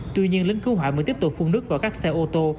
tuy nhiên lính cứu hỏa mới tiếp tục phun nước vào các xe ô tô